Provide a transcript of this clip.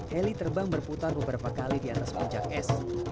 heli terbang berputar beberapa kali di atas puncak es